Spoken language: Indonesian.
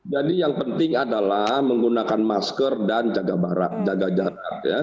jadi yang penting adalah menggunakan masker dan jaga jarak